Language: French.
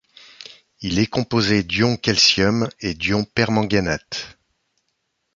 Il est composé d'ions calcium et d'ions permanganate.